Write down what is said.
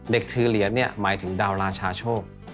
ถือเหรียญเนี่ยหมายถึงดาวราชาโชค